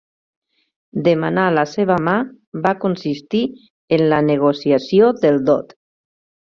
Demanar la seva mà va consistir en la negociació del dot.